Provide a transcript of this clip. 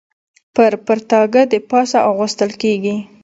پر پرتاګه د پاسه اغوستل کېږي.